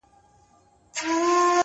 • معلم وویل بزګر ته چي دا ولي ,